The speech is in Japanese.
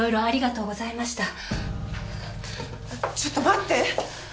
ちょっと待って！